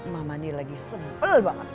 maman ini lagi sempel banget